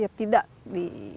ya tidak di